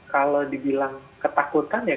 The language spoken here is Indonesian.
kalau dibilang ketakutan ya